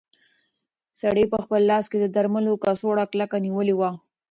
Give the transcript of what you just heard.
سړي په خپل لاس کې د درملو کڅوړه کلکه نیولې وه.